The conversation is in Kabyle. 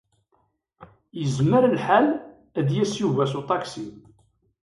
Yezmer lḥal ad d-yas Yuba s uṭaksi.